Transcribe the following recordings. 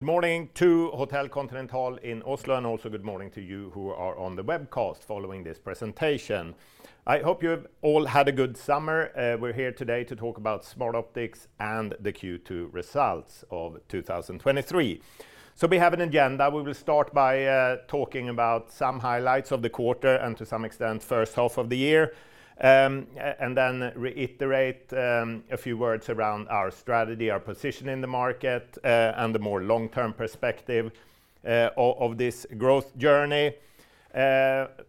Good morning to Hotel Continental in Oslo, also good morning to you who are on the webcast following this presentation. I hope you've all had a good summer. We're here today to talk about Smartoptics Group and the Q2 results of 2023. We have an agenda. We will start by talking about some highlights of the quarter and to some extent, first half of the year. And then reiterate a few words around our strategy, our position in the market, and the more long-term perspective of this growth journey.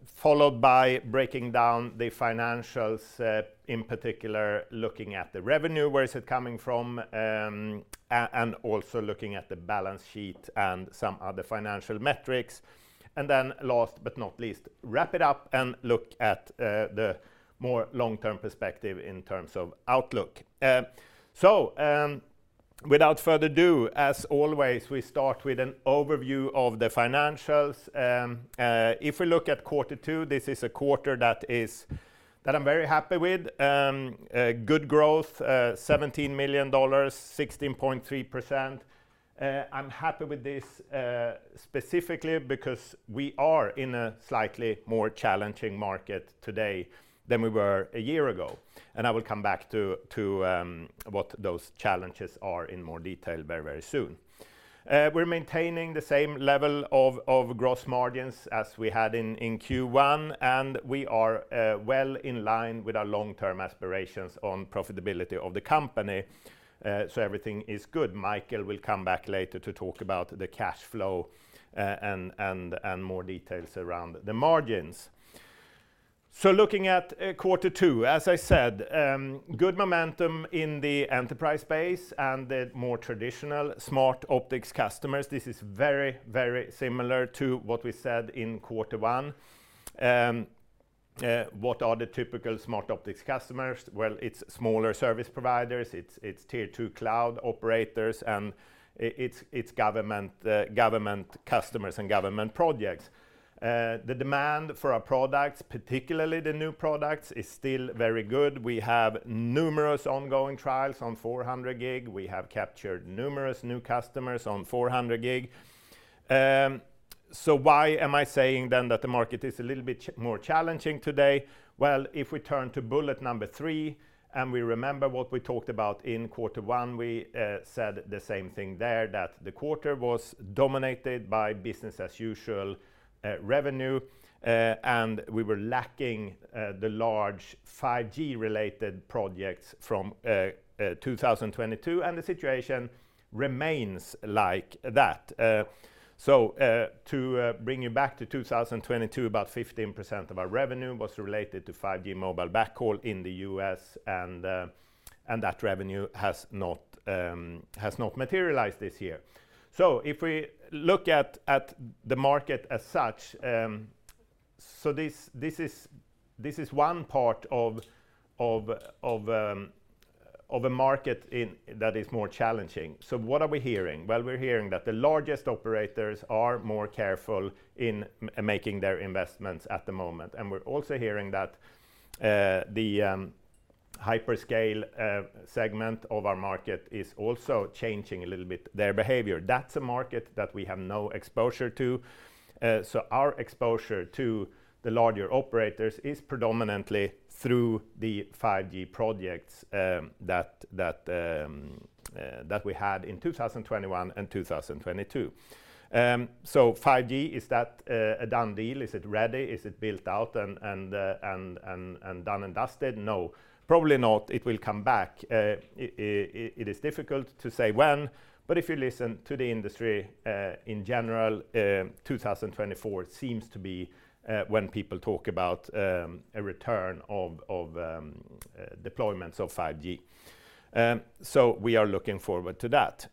Followed by breaking down the financials, in particular, looking at the revenue, where is it coming from? And also looking at the balance sheet and some other financial metrics. Last but not least, wrap it up and look at the more long-term perspective in terms of outlook. Without further ado, as always, we start with an overview of the financials. If we look at Q2, this is a quarter that I'm very happy with. A good growth, $17 million, 16.3%. I'm happy with this specifically because we are in a slightly more challenging market today than we were a year ago. I will come back to what those challenges are in more detail very, very soon. We're maintaining the same level of gross margins as we had in Q1, and we are well in line with our long-term aspirations on profitability of the company. Everything is good. Mikael will come back later to talk about the cash flow, and, and, and more details around the margins. Looking at quarter two, as I said, good momentum in the enterprise space and the more traditional Smartoptics Group customers. This is very, very similar to what we said in quarter one. What are the typical Smartoptics Group customers? Well, it's smaller service providers, it's, it's Tier 2 cloud operators, and it's, it's government, government customers and government projects. The demand for our products, particularly the new products, is still very good. We have numerous ongoing trials on 400G. We have captured numerous new customers on 400G. Why am I saying then that the market is a little bit more challenging today? Well, if we turn to bullet number three, and we remember what we talked about in Q1, we said the same thing there, that the quarter was dominated by business as usual, revenue, and we were lacking the large 5G-related projects from 2022. The situation remains like that. To bring you back to 2022, about 15% of our revenue was related to 5G mobile backhaul in the U.S.. That revenue has not has not materialized this year. If we look at, at the market as such, this, this is, this is one part of, of, of, of a market in- that is more challenging. What are we hearing? Well, we're hearing that the largest operators are more careful in making their investments at the moment. We're also hearing that the hyperscale segment of our market is also changing a little bit their behavior. That's a market that we have no exposure to. Our exposure to the larger operators is predominantly through the 5G projects that, that, that we had in 2021 and 2022. 5G, is that a done deal? Is it ready? Is it built out and, and, and, and done and dusted? No, probably not. It will come back. It is difficult to say when, but if you listen to the industry, in general, 2024 seems to be when people talk about a return of deployments of 5G. We are looking forward to that.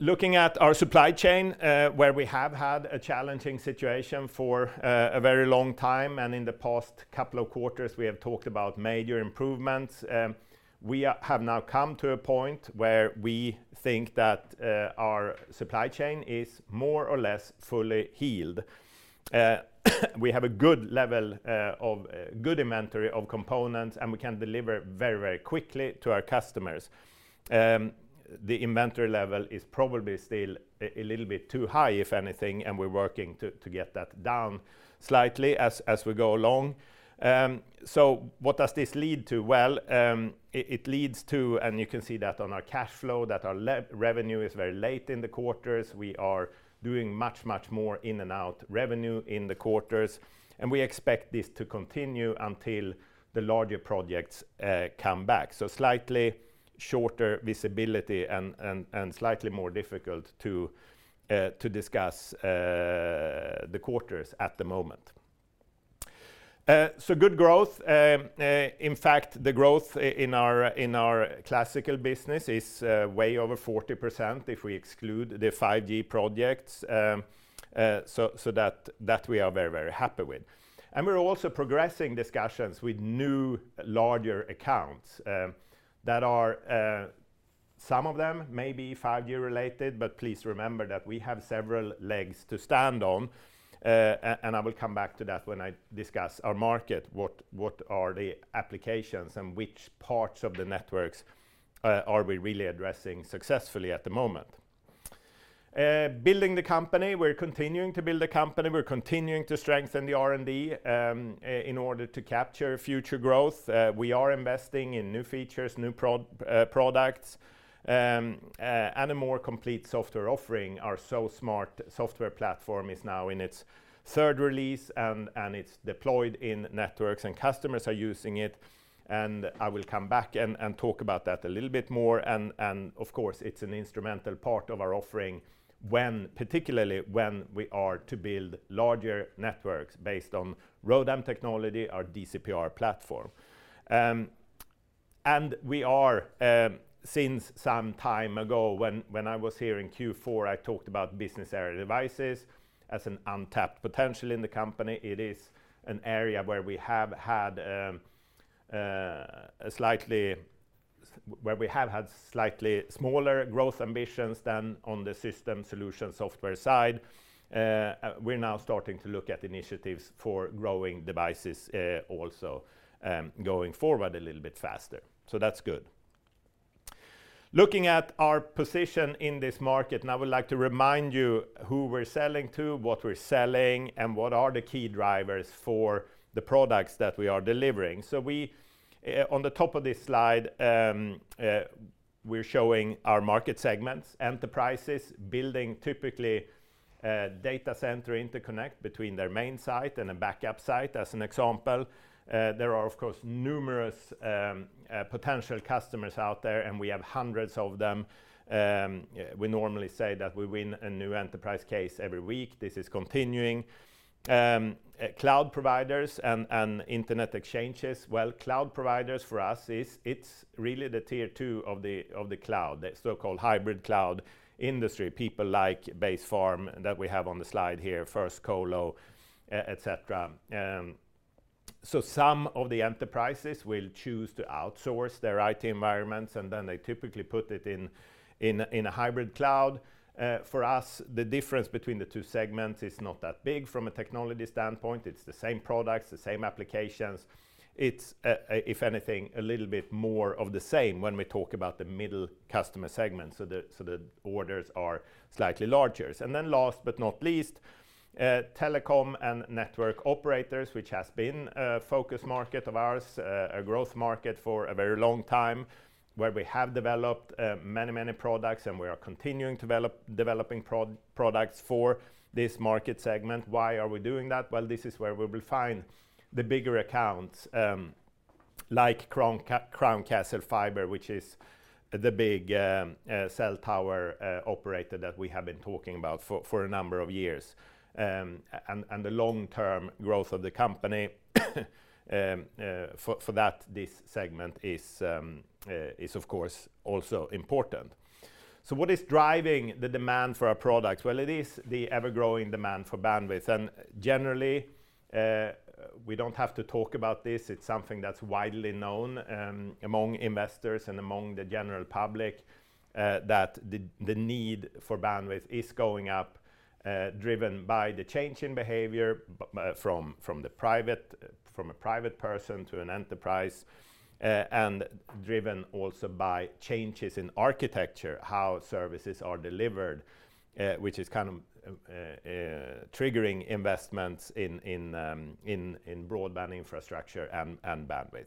Looking at our supply chain, where we have had a challenging situation for a very long time, and in the past couple of quarters, we have talked about major improvements, we have now come to a point where we think that our supply chain is more or less fully healed. We have a good level of good inventory of components, and we can deliver very, very quickly to our customers. The inventory level is probably still a little bit too high, if anything, and we're working to get that down slightly as we go along. What does this lead to? It leads to, and you can see that on our cash flow, that our revenue is very late in the quarters. We are doing much, much more in and out revenue in the quarters, and we expect this to continue until the larger projects come back. Slightly shorter visibility and slightly more difficult to discuss the quarters at the moment. Good growth. In fact, the growth in our classical business is way over 40% if we exclude the 5G projects. That we are very, very happy with. We're also progressing discussions with new, larger accounts, that are, some of them may be 5G related, but please remember that we have several legs to stand on. I will come back to that when I discuss our market, what, what are the applications and which parts of the networks, are we really addressing successfully at the moment. Building the company, we're continuing to build the company. We're continuing to strengthen the R&D, in order to capture future growth. We are investing in new features, new products, and a more complete software offering. Our SoSmart software platform is now in its 3rd release, and it's deployed in networks, and customers are using it. I will come back and talk about that a little bit more. And of course, it's an instrumental part of our offering when particularly when we are to build larger networks based on ROADM technology, our DCP-R platform. We are since some time ago, when I was here in Q4, I talked about business area devices as an untapped potential in the company. It is an area where we have had slightly smaller growth ambitions than on the system solution software side. We're now starting to look at initiatives for growing devices, also, going forward a little bit faster. That's good. Looking at our position in this market, and I would like to remind you who we're selling to, what we're selling, and what are the key drivers for the products that we are delivering. We on the top of this slide, we're showing our market segments. Enterprises building typically data center interconnect between their main site and a backup site, as an example. There are, of course, numerous potential customers out there, and we have hundreds of them. We normally say that we win a new enterprise case every week. This is continuing. Cloud providers and internet exchanges. Well, cloud providers for us is it's really the Tier 2 of the cloud, the so-called hybrid cloud industry. People like Basefarm that we have on the slide here, First Colo, et cetera. Some of the enterprises will choose to outsource their IT environments, and then they typically put it in, in a hybrid cloud. For us, the difference between the two segments is not that big from a technology standpoint. It's the same products, the same applications. It's, if anything, a little bit more of the same when we talk about the middle customer segment, so the orders are slightly larger. Last but not least, telecom and network operators, which has been a focus market of ours, a growth market for a very long time, where we have developed, many, many products, and we are continuing developing products for this market segment. Why are we doing that? Well, this is where we will find the bigger accounts, like Crown Castle Fiber, which is the big, cell tower, operator that we have been talking about for, for a number of years. The long-term growth of the company, for that, this segment is of course, also important. What is driving the demand for our products? It is the ever-growing demand for bandwidth. Generally, we don't have to talk about this. It's something that's widely known, among investors and among the general public, that the need for bandwidth is going up, driven by the change in behavior, from the private... from a private person to an enterprise, and driven also by changes in architecture, how services are delivered, which is kind of, triggering investments in broadband infrastructure and bandwidth.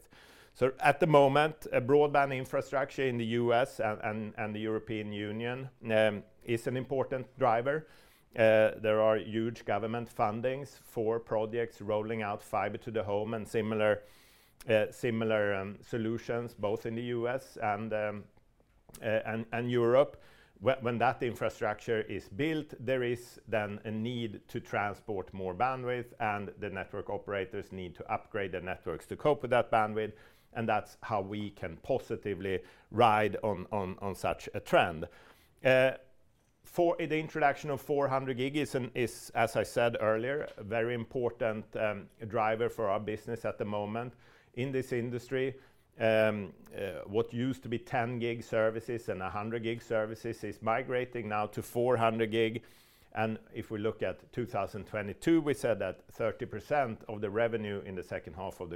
At the moment, a broadband infrastructure in the U.S. and the European Union, is an important driver. There are huge government fundings for projects rolling out fiber to the home and similar, similar solutions, both in the U.S. and Europe. When that infrastructure is built, there is then a need to transport more bandwidth, and the network operators need to upgrade their networks to cope with that bandwidth, and that's how we can positively ride on such a trend. For the introduction of 400G, as I said earlier, a very important driver for our business at the moment. In this industry, what used to be 10 gig services and 100G services is migrating now to 400G. If we look at 2022, we said that 30% of the revenue in the second half of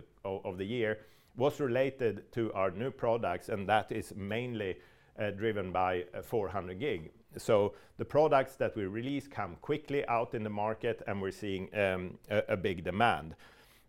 the year was related to our new products, and that is mainly driven by a 400G. The products that we release come quickly out in the market, and we're seeing a big demand.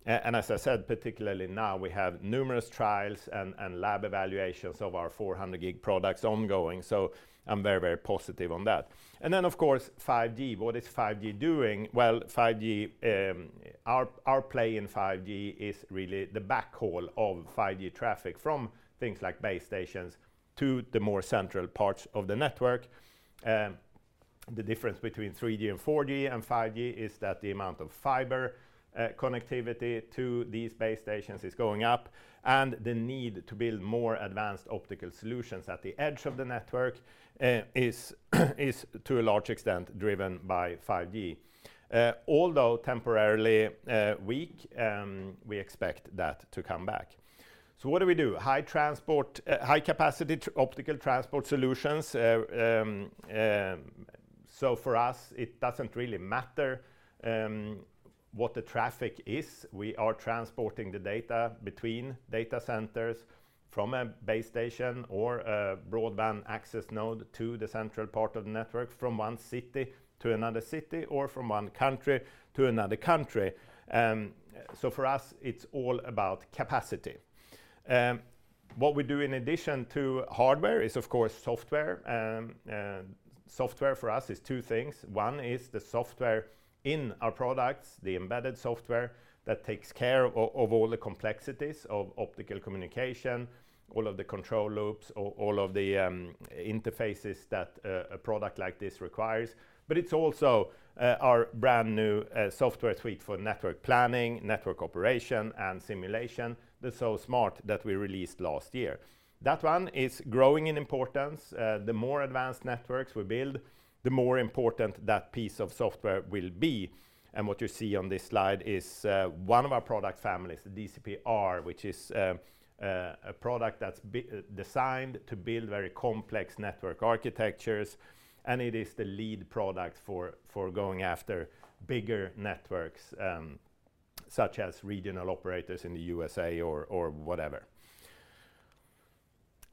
As I said, particularly now, we have numerous trials and lab evaluations of our 400G products ongoing, so I'm very, very positive on that. Then, of course, 5G. What is 5G doing? Well, 5G, our play in 5G is really the backhaul of 5G traffic from things like base stations to the more central parts of the network. The difference between 3G and 4G and 5G is that the amount of fiber connectivity to these base stations is going up, and the need to build more advanced optical solutions at the edge of the network is, is to a large extent, driven by 5G. Although temporarily weak, we expect that to come back. What do we do? High transport, high-capacity optical transport solutions. For us, it doesn't really matter what the traffic is. We are transporting the data between data centers from a base station or a broadband access node to the central part of the network, from one city to another city, or from one country to another country. For us, it's all about capacity. What we do in addition to hardware is, of course, software. Software for us is two things. One is the software in our products, the embedded software that takes care of, of all the complexities of optical communication, all of the control loops, or all of the interfaces that a product like this requires. It's also our brand-new software suite for network planning, network operation, and simulation, the SoSmart that we released last year. That one is growing in importance. The more advanced networks we build, the more important that piece of software will be. What you see on this slide is one of our product families, the DCP-R, which is a product that's designed to build very complex network architectures, and it is the lead product for, for going after bigger networks, such as regional operators in the USA or, or whatever.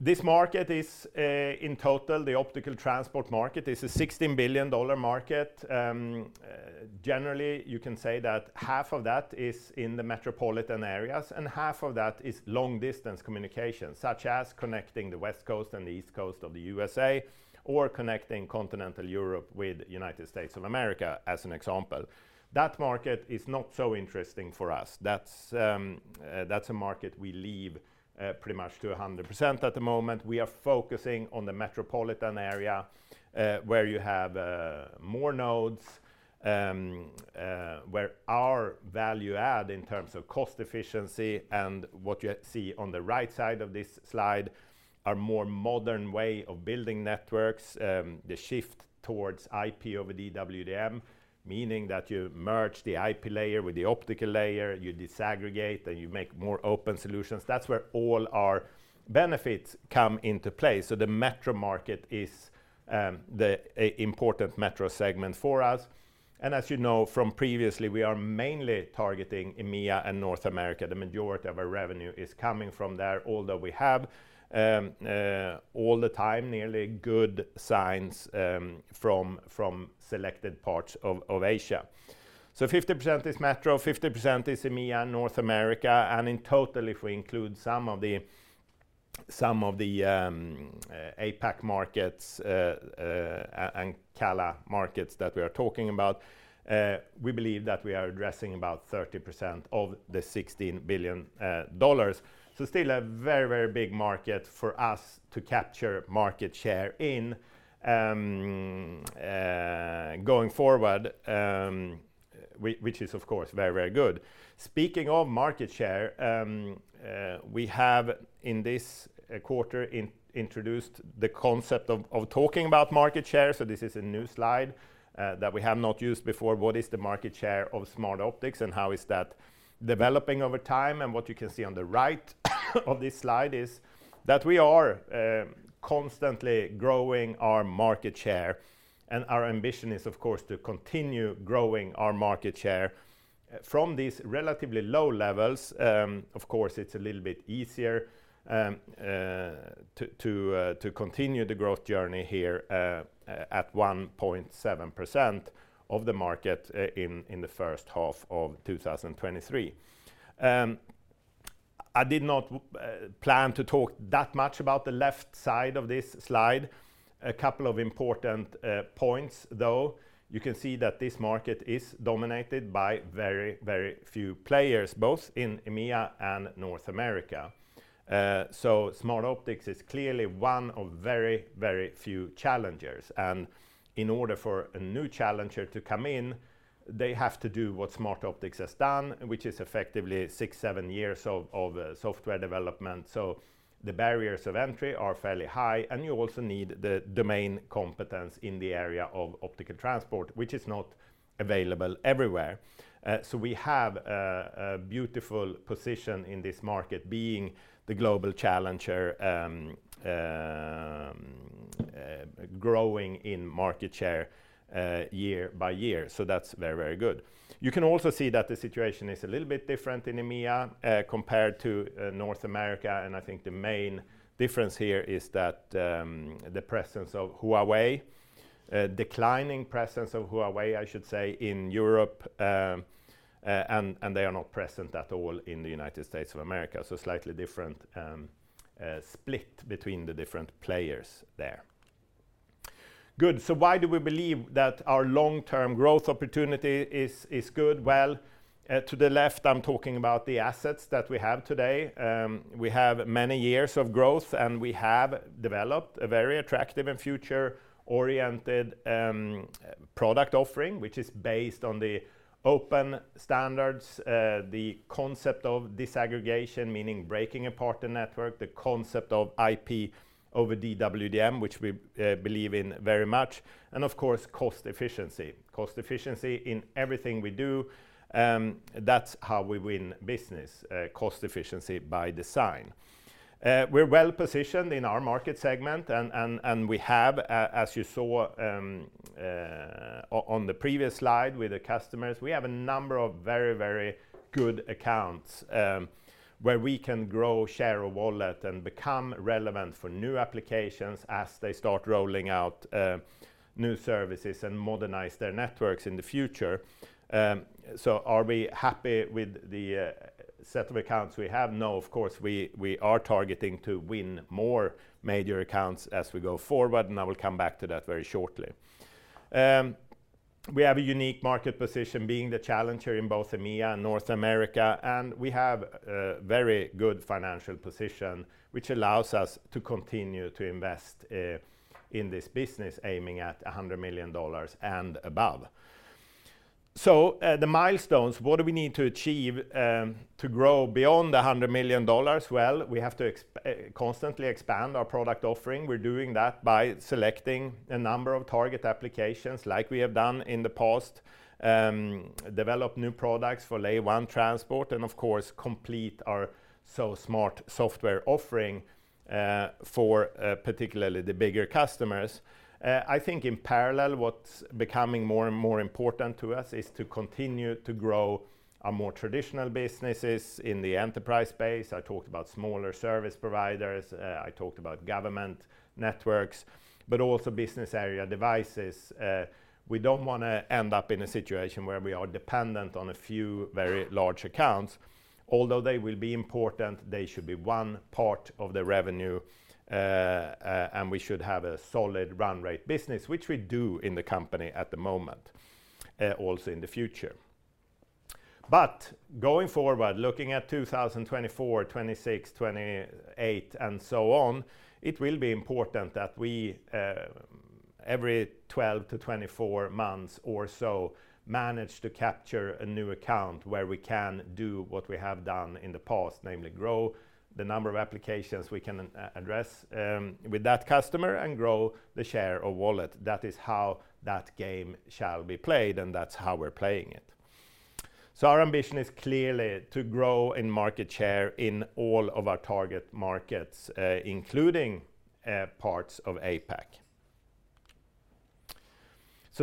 This market is, in total, the optical transport market is a $16 billion market. Generally, you can say that half of that is in the metropolitan areas, and half of that is long-distance communication, such as connecting the West Coast and the East Coast of the USA or connecting Continental Europe with United States of America, as an example. That market is not so interesting for us. That's, that's a market we leave, pretty much to 100% at the moment. We are focusing on the metropolitan area, where you have more nodes, where our value add in terms of cost efficiency and what you see on the right side of this slide, are more modern way of building networks, the shift towards IP over DWDM, meaning that you merge the IP layer with the optical layer, you disaggregate, and you make more open solutions. That's where all our benefits come into play. The metro market is the, a important metro segment for us. As you know from previously, we are mainly targeting EMEA and North America. The majority of our revenue is coming from there, although we have all the time, nearly good signs, from, from selected parts of, of Asia. 50% is metro, 50% is EMEA and North America, and in total, if we include some of the, some of the, APAC markets, and CALA markets that we are talking about, we believe that we are addressing about 30% of the $16 billion. Still a very, very big market for us to capture market share in, going forward, which is, of course, very, very good. Speaking of market share, we have, in this quarter, introduced the concept of talking about market share. This is a new slide that we have not used before. What is the market share of Smartoptics Group, and how is that developing over time? What you can see on the right of this slide is that we are constantly growing our market share, and our ambition is, of course, to continue growing our market share from these relatively low levels. Of course, it's a little bit easier to continue the growth journey here at 1.7% of the market in the first half of 2023. I did not plan to talk that much about the left side of this slide. A couple of important points, though. You can see that this market is dominated by very, very few players, both in EMEA and North America. Smartoptics Group is clearly one of very, very few challengers. In order for a new challenger to come in, they have to do what Smartoptics Group has done, which is effectively six, seven years of, of software development. The barriers of entry are fairly high, and you also need the domain competence in the area of optical transport, which is not available everywhere. We have a, a beautiful position in this market, being the global challenger, growing in market share, year by year. That's very, very good. You can also see that the situation is a little bit different in EMEA, compared to North America, and I think the main difference here is that the presence of Huawei, declining presence of Huawei, I should say, in Europe, and they are not present at all in the United States of America. Slightly different split between the different players there. Good. Why do we believe that our long-term growth opportunity is, is good? Well, to the left, I'm talking about the assets that we have today. We have many years of growth, and we have developed a very attractive and future-oriented product offering, which is based on the open standards, the concept of disaggregation, meaning breaking apart the network, the concept of IP over DWDM, which we believe in very much, and of course, cost efficiency. Cost efficiency in everything we do, that's how we win business, cost efficiency by design. We're well-positioned in our market segment, and we have, as you saw, on the previous slide with the customers, we have a number of very, very good accounts, where we can grow share of wallet and become relevant for new applications as they start rolling out new services and modernize their networks in the future. Are we happy with the set of accounts we have? No, of course, we, we are targeting to win more major accounts as we go forward, and I will come back to that very shortly. We have a unique market position being the challenger in both EMEA and North America, and we have a very good financial position, which allows us to continue to invest in this business, aiming at $100 million and above. The milestones, what do we need to achieve to grow beyond $100 million? Well, we have to constantly expand our product offering. We're doing that by selecting a number of target applications like we have done in the past, develop new products for Layer 1 transport, and of course, complete our SoSmart software offering for particularly the bigger customers. I think in parallel, what's becoming more and more important to us is to continue to grow our more traditional businesses in the enterprise space. I talked about smaller service providers, I talked about government networks, but also business area devices. We don't wanna end up in a situation where we are dependent on a few very large accounts. Although they will be important, they should be one part of the revenue, and we should have a solid run rate business, which we do in the company at the moment, also in the future. Going forward, looking at 2024, 2026, 2028, and so on, it will be important that we, every 12 to 24 months or so, manage to capture a new account where we can do what we have done in the past, namely, grow the number of applications we can address with that customer and grow the share of wallet. That is how that game shall be played, and that's how we're playing it. Our ambition is clearly to grow in market share in all of our target markets, including parts of APAC.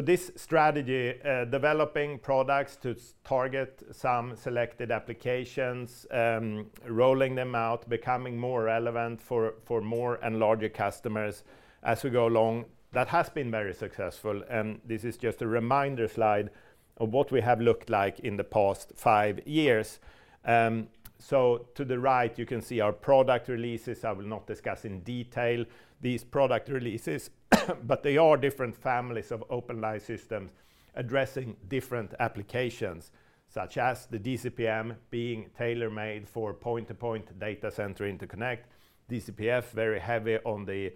This strategy, developing products to target some selected applications, rolling them out, becoming more relevant for, for more and larger customers as we go along, that has been very successful, and this is just a reminder slide of what we have looked like in the past five years. To the right, you can see our product releases. I will not discuss in detail these product releases, but they are different families of open line systems addressing different applications, such as the DCP-M being tailor-made for point-to-point data center interconnect. DCP-F, very heavy on the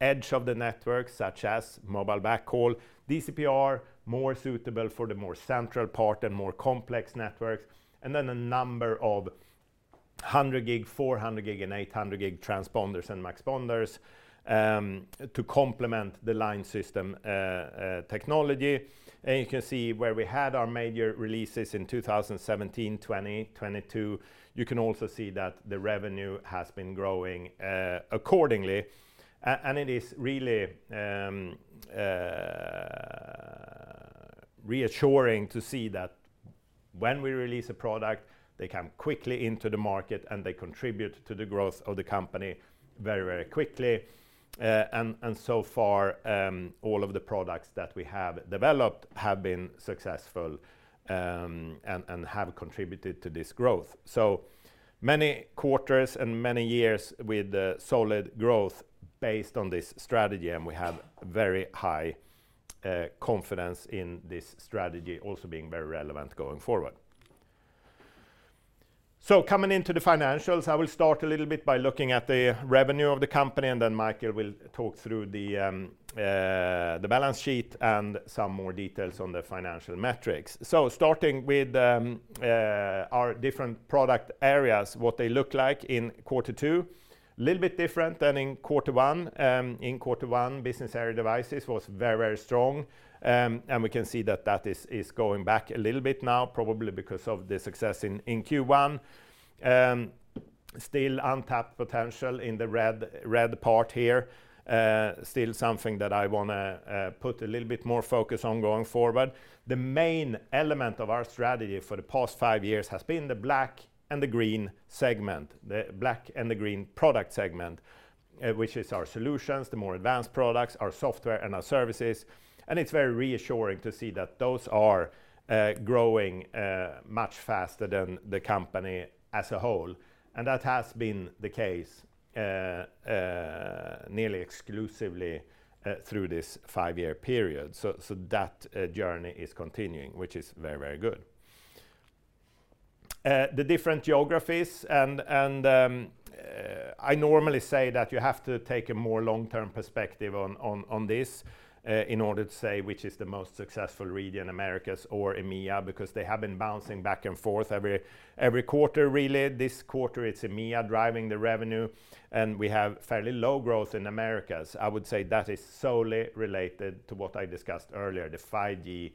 edge of the network, such as mobile backhaul. DCP-R, more suitable for the more central part and more complex networks, and then a number of 100G, 400G, and 800G transponders and muxponders to complement the line system technology. You can see where we had our major releases in 2017, 2022. You can also see that the revenue has been growing accordingly. It is really reassuring to see that when we release a product, they come quickly into the market, and they contribute to the growth of the company very, very quickly. So far, all of the products that we have developed have been successful and have contributed to this growth. Many quarters and many years with solid growth based on this strategy, and we have very high confidence in this strategy also being very relevant going forward. Coming into the financials, I will start a little bit by looking at the revenue of the company, and then Mikael will talk through the balance sheet and some more details on the financial metrics. Starting with our different product areas, what they look like in quarter two, a little bit different than in quarter one. In quarter one, business area devices was very, very strong, and we can see that that is, is going back a little bit now, probably because of the success in Q1. Still untapped potential in the red, red part here. Still something that I wanna put a little bit more focus on going forward. The main element of our strategy for the past five years has been the black and the green segment, the black and the green product segment, which is our solutions, the more advanced products, our software, and our services. It's very reassuring to see that those are growing much faster than the company as a whole. That has been the case nearly exclusively through this five-year period. So that journey is continuing, which is very, very good. The different geographies and I normally say that you have to take a more long-term perspective on, on, on this, in order to say which is the most successful region, Americas or EMEA, because they have been bouncing back and forth every, every quarter, really. This quarter, it's EMEA driving the revenue, and we have fairly low growth in Americas. I would say that is solely related to what I discussed earlier, the 5G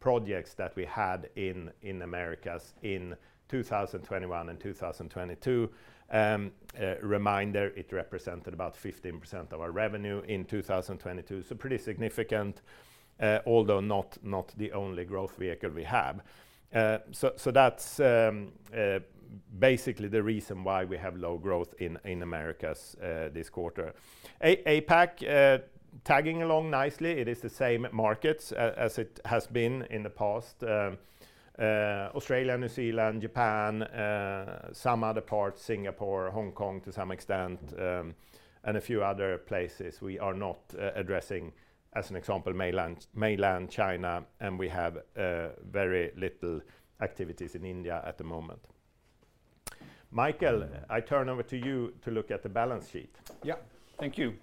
projects that we had in Americas in 2021 and 2022. A reminder, it represented about 15% of our revenue in 2022. Pretty significant, although not, not the only growth vehicle we have. That's basically the reason why we have low growth in Americas this quarter. APAC tagging along nicely, it is the same markets as it has been in the past. Australia, New Zealand, Japan, some other parts, Singapore, Hong Kong, to some extent, and a few other places we are not addressing, as an example, mainland, mainland China, and we have very little activities in India at the moment. Mikael, I turn over to you to look at the balance sheet. Yeah. Thank you.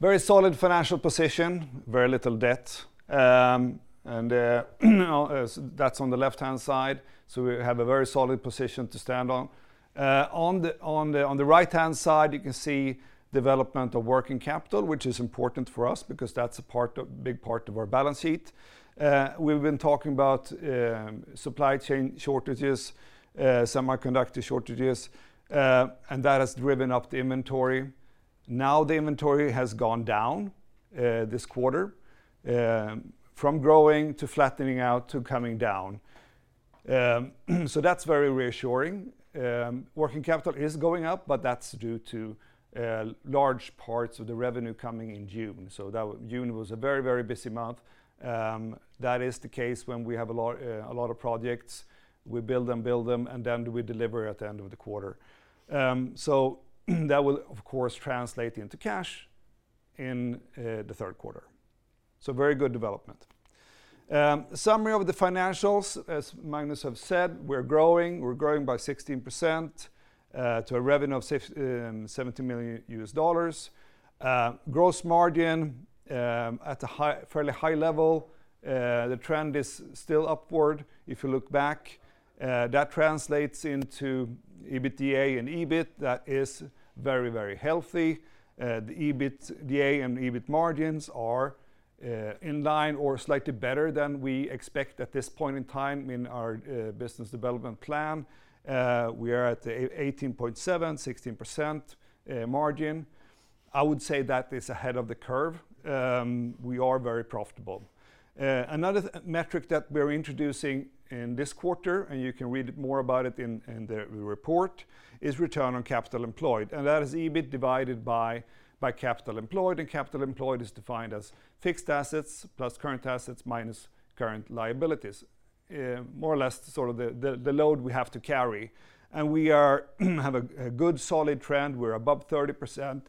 Very solid financial position, very little debt. That's on the left-hand side, we have a very solid position to stand on. On the right-hand side, you can see development of working capital, which is important for us because that's a big part of our balance sheet. We've been talking about supply chain shortages, semiconductor shortages, that has driven up the inventory. The inventory has gone down this quarter, from growing to flattening out to coming down. That's very reassuring. Working capital is going up, that's due to large parts of the revenue coming in June. June was a very, very busy month. That is the case when we have a lot, a lot of projects. We build them, build them, then we deliver at the end of the quarter. That will, of course, translate into cash in the third quarter. Very good development. Summary of the financials, as Magnus have said, we're growing. We're growing by 16%, to a revenue of $70 million. Gross margin, at a fairly high level, the trend is still upward. If you look back, that translates into EBITDA and EBIT that is very, very healthy. The EBITDA and EBIT margins are in line or slightly better than we expect at this point in time in our business development plan. We are at 18.7%, 16% margin. I would say that is ahead of the curve. We are very profitable. Another metric that we're introducing in this quarter, you can read more about it in, in the report, is return on capital employed, that is EBIT divided by, by capital employed, capital employed is defined as fixed assets plus current assets minus current liabilities. More or less, sort of the, the, the load we have to carry. We are, have a, a good, solid trend. We're above 30%,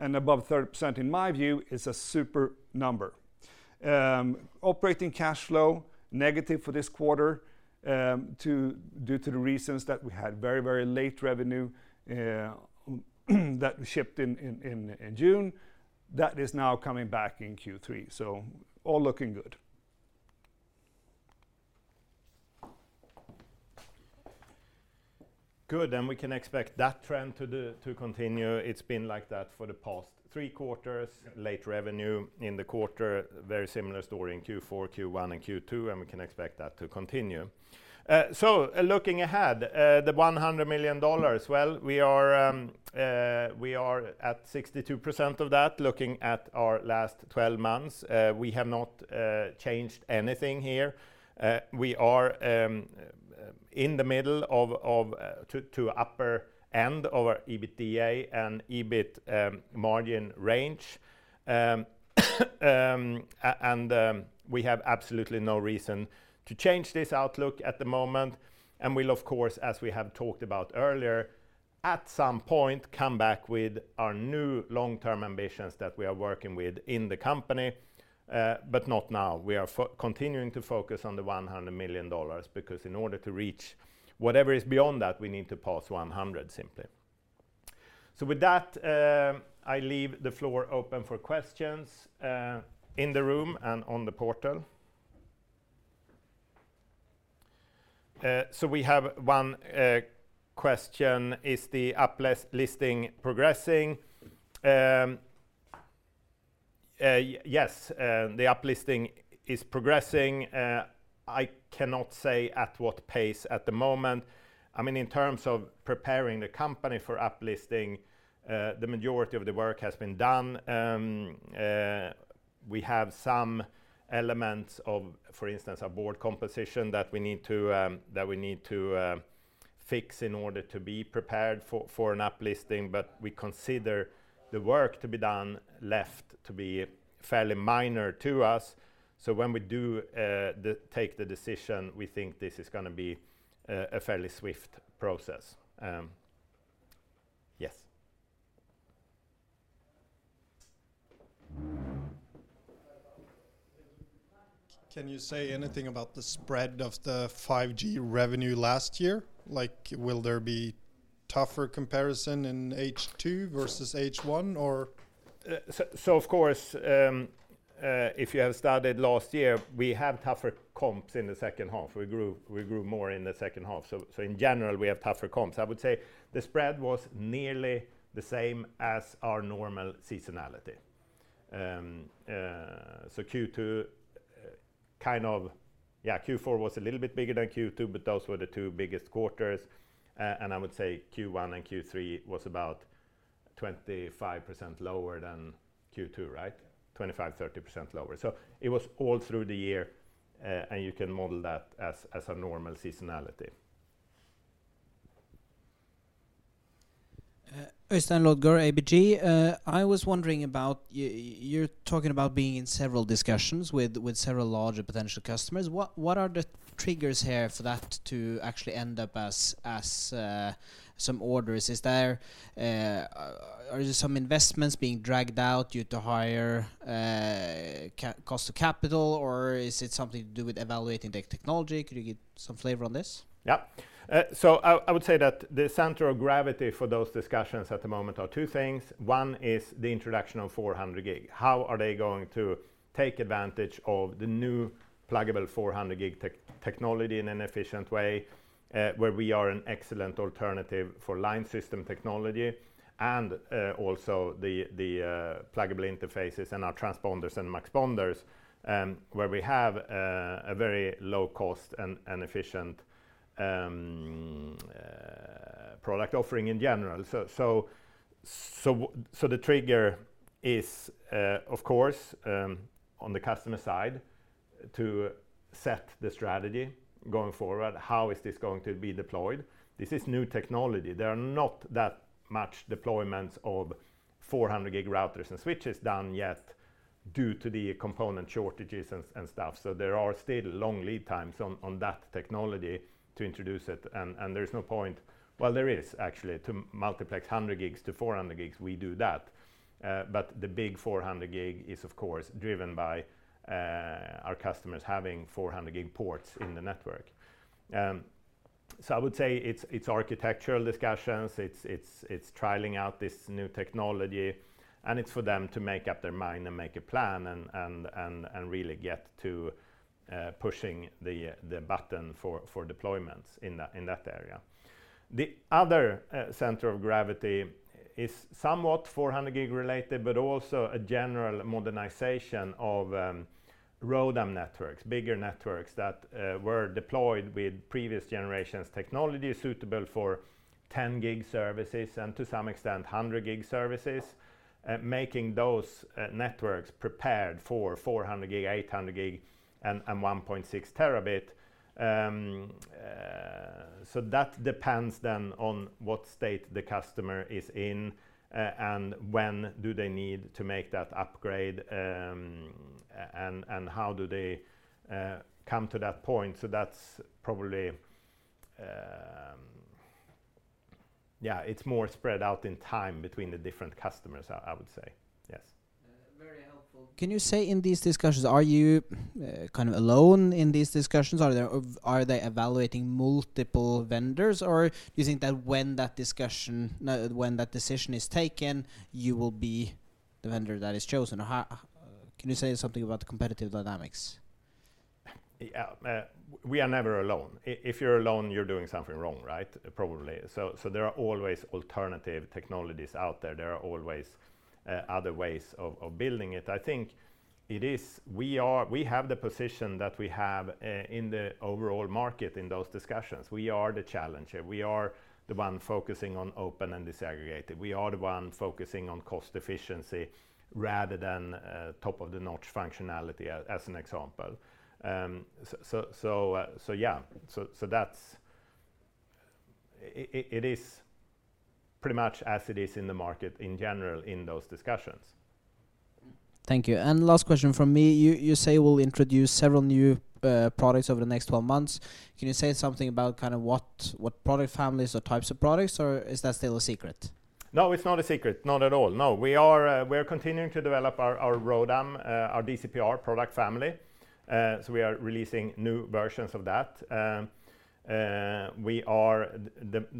above 30%, in my view, is a super number. Operating cash flow, negative for this quarter, due to the reasons that we had very, very late revenue, that we shipped in, in, in, in June. That is now coming back in Q3, all looking good. Good, and we can expect that trend to the, to continue. It's been like that for the past three quarters, late revenue in the quarter. Very similar story in Q4, Q1, and Q2, and we can expect that to continue. Looking ahead, the $100 million, well, we are, we are at 62% of that, looking at our last 12 months. We have not changed anything here. We are in the middle of, of, to, to upper end of our EBITDA and EBIT margin range. We have absolutely no reason to change this outlook at the moment, and we'll, of course, as we have talked about earlier, at some point, come back with our new long-term ambitions that we are working with in the company, but not now. We are continuing to focus on the $100 million, because in order to reach whatever is beyond that, we need to pass 100, simply. With that, I leave the floor open for questions in the room and on the portal. We have one question: Is the uplisting progressing? Yes, the uplisting is progressing. I cannot say at what pace at the moment. I mean, in terms of preparing the company for uplisting, the majority of the work has been done. We have some elements of, for instance, our board composition that we need to, that we need to fix in order to be prepared for an uplisting, but we consider the work to be done, left to be fairly minor to us. When we do take the decision, we think this is gonna be a, a fairly swift process. Yes. Can you say anything about the spread of the 5G revenue last year? Like, will there be tougher comparison in H2 versus H1, or? Of course, if you have started last year, we have tougher comps in the second half. We grew, we grew more in the second half. In general, we have tougher comps. I would say the spread was nearly the same as our normal seasonality. Q4 was a little bit bigger than Q2, but those were the two biggest quarters. I would say Q1 and Q3 was about 25% lower than Q2, right? 25%-30% lower. It was all through the year, and you can model that as, as a normal seasonality. Øystein Lodgaard, ABG. I was wondering about, you're talking about being in several discussions with, with several larger potential customers. What, what are the triggers here for that to actually end up as some orders? Is there... Are there some investments being dragged out due to higher cost of capital, or is it something to do with evaluating the technology? Could you give some flavor on this? Yeah. I, I would say that the center of gravity for those discussions at the moment are two things. One is the introduction of 400G. How are they going to take advantage of the new pluggable 400G technology in an efficient way, where we are an excellent alternative for line system technology and also the, the, pluggable interfaces and our transponders and muxponders, where we have a very low cost and efficient product offering in general. The trigger is, of course, on the customer side, to set the strategy going forward. How is this going to be deployed? This is new technology. There are not that much deployments of 400G routers and switches done yet due to the component shortages and stuff. There are still long lead times on, on that technology to introduce it, and, and there's no point... Well, there is actually, to multiplex 100G to 400G. We do that. But the big 400G is, of course, driven by our customers having 400G ports in the network. I would say it's, it's architectural discussions, it's, it's, it's trialing out this new technology, and it's for them to make up their mind and make a plan and, and, and, and really get to pushing the button for deployments in that, in that area. The other center of gravity is somewhat 400G related, but also a general modernization of ROADM networks, bigger networks that were deployed with previous generations. Technology is suitable for 10 gig services and to some extent, 100G services, making those networks prepared for 400G, 800G, and 1.6T. That depends then on what state the customer is in, and when do they need to make that upgrade, and how do they come to that point. That's probably, yeah, it's more spread out in time between the different customers, I would say. Yes. Very helpful. Can you say in these discussions, are you kind of alone in these discussions? Are they evaluating multiple vendors, or you think that when that discussion, when that decision is taken, you will be the vendor that is chosen? How can you say something about the competitive dynamics? Yeah, we are never alone. If you're alone, you're doing something wrong, right? Probably. There are always alternative technologies out there. There are always other ways of, of building it. I think it is we are we have the position that we have in the overall market in those discussions. We are the challenger. We are the one focusing on open and disaggregated. We are the one focusing on cost efficiency rather than top-of-the-notch functionality, as an example. Yeah. That's... it is pretty much as it is in the market in general, in those discussions. Thank you. Last question from me. You, you say we'll introduce several new products over the next 12 months. Can you say something about kind of what, what product families or types of products, or is that still a secret? No, it's not a secret. Not at all, no. We are continuing to develop our, our ROADM, our DCP-R product family. We are releasing new versions of that. We are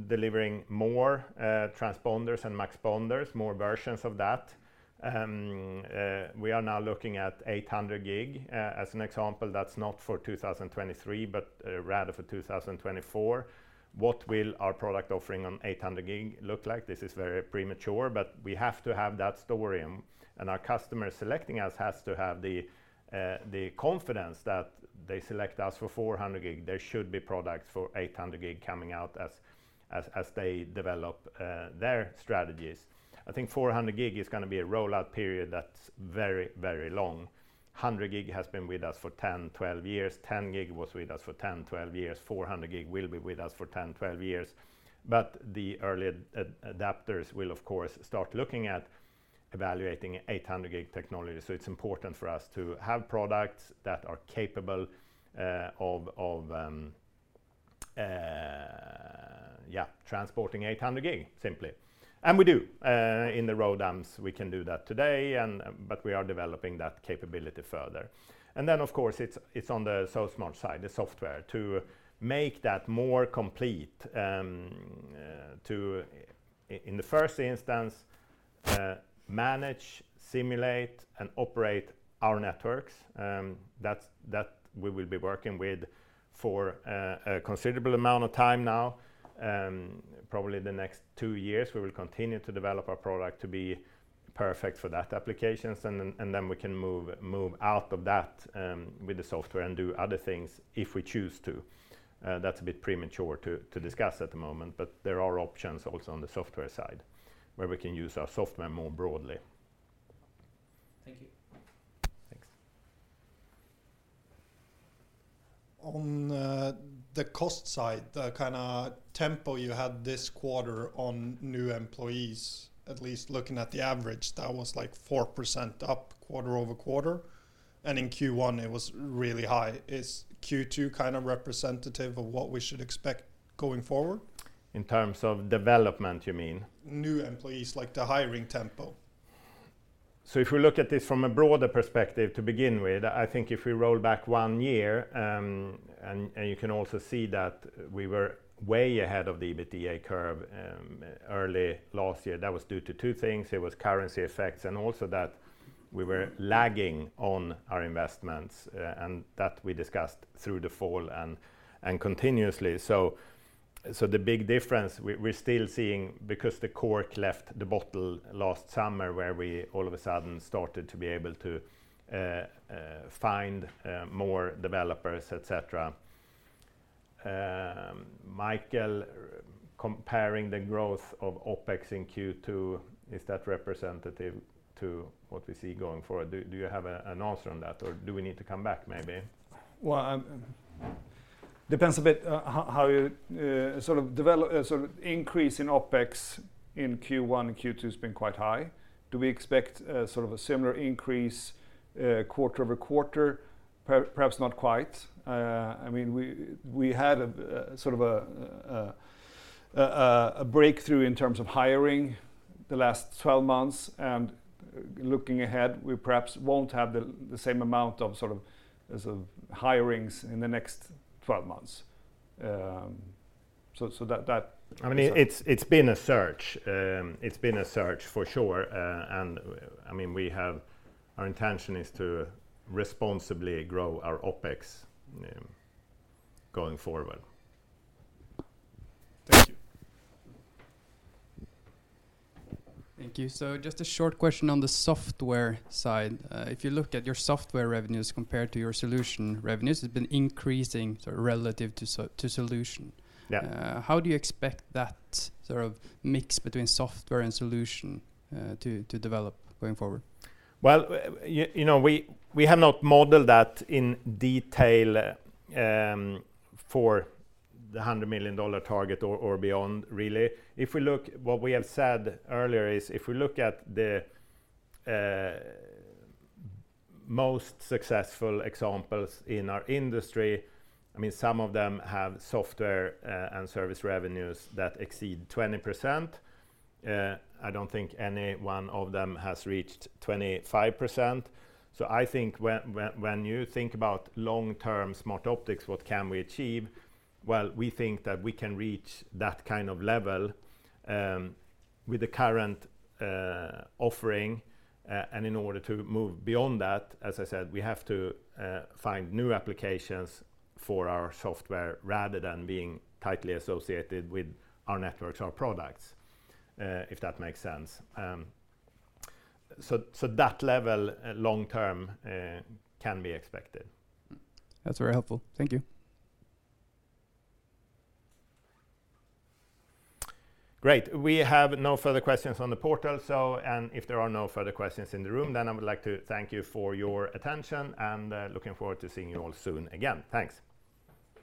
delivering more transponders and muxponders, more versions of that. We are now looking at 800G as an example. That's not for 2023, but rather for 2024. What will our product offering on 800G look like? This is very premature, but we have to have that story, and our customers selecting us has to have the confidence that they select us for 400G. There should be products for 800G coming out as, as, as they develop their strategies. I think 400G is gonna be a rollout period that's very, very long. 100G has been with us for 10, 12 years. 10 gig was with us for 10, 12 years. 400G will be with us for 10, 12 years. The early adapters will, of course, start looking at evaluating 800G technology. It's important for us to have products that are capable of, of, yeah, transporting 800G, simply. We do. In the ROADMs, we can do that today, and, but we are developing that capability further. Then, of course, it's, it's on the SoSmart side, the software, to make that more complete, to, in the first instance, manage, simulate, and operate our networks, that we will be working with for a considerable amount of time now. Probably the next two years, we will continue to develop our product perfect for that applications, and then, and then we can move, move out of that, with the software and do other things if we choose to. That's a bit premature to, to discuss at the moment, but there are options also on the software side, where we can use our software more broadly. Thank you. Thanks. On, the cost side, the kinda tempo you had this quarter on new employees, at least looking at the average, that was, like, 4% up quarter-over-quarter, and in Q1, it was really high. Is Q2 kind of representative of what we should expect going forward? In terms of development, you mean? New employees, like the hiring tempo. If we look at this from a broader perspective to begin with, I think if we roll back one year, and you can also see that we were way ahead of the EBITDA curve early last year. That was due to two things: it was currency effects, and also that we were lagging on our investments, and that we discussed through the fall and continuously. The big difference, we're still seeing because the cork left the bottle last summer, where we all of a sudden started to be able to find more developers, et cetera. Mikael, comparing the growth of OpEx in Q2, is that representative to what we see going forward? Do you have an answer on that, or do we need to come back maybe? Well, depends a bit how you sort of develop... Sort of increase in OpEx in Q1 and Q2 has been quite high. Do we expect a similar increase, quarter-over-quarter? Perhaps not quite. I mean, we had a sort of a breakthrough in terms of hiring the last 12 months, and looking ahead, we perhaps won't have the same amount of sort of, as of hirings in the next 12 months. I mean, it's, it's been a search. It's been a search, for sure, and, I mean, we have... Our intention is to responsibly grow our OpEx going forward. Thank you. Thank you. Just a short question on the software side. If you look at your software revenues compared to your solution revenues, it's been increasing sort of relative to to solution. Yeah. How do you expect that sort of mix between software and solution, to develop going forward? Well, you know, we, we have not modeled that in detail, for the $100 million target or, or beyond, really. If we look, what we have said earlier is, if we look at the most successful examples in our industry, I mean, some of them have software and service revenues that exceed 20%. I don't think any one of them has reached 25%. I think when, when, when you think about long-term Smartoptics Group, what can we achieve? Well, we think that we can reach that kind of level with the current offering, and in order to move beyond that, as I said, we have to find new applications for our software, rather than being tightly associated with our networks or products, if that makes sense. That level, long term, can be expected. That's very helpful. Thank you. Great. We have no further questions on the portal, so, and if there are no further questions in the room, then I would like to thank you for your attention and looking forward to seeing you all soon again. Thanks.